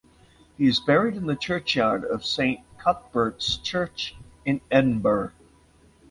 He is buried in the churchyard of St Cuthberts Church in Edinburgh.